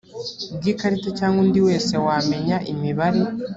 bw ikarita cyangwa undi wese wamenya imibare